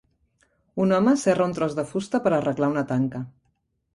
Un home serra un tros de fusta per arreglar una tanca.